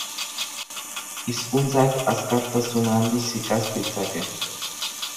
Hizkuntzak azkartasun handiz ikas ditzake.